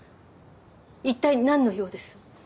一体何の用です？